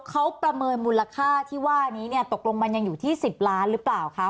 เขาประเมินมูลค่าที่ว่านี้เนี่ยตกลงมันยังอยู่ที่๑๐ล้านหรือเปล่าคะ